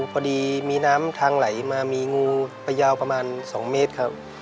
พอดีมีน้ำทางไหลมามีงูไปยาวประมาณ๒เมตรครับ